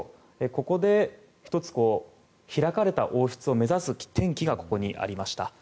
ここで１つ開かれた王室を目指す転機がここにありました。